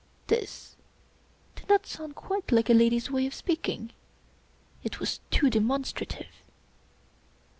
This did not sound quite like a lady's way of speaking. It was too demonstrative.